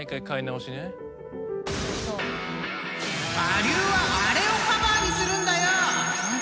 ［我流はあれをカバーにするんだよ！］